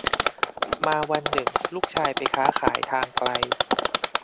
มาวันหนึ่งลูกชายไปค้าขายทางไกล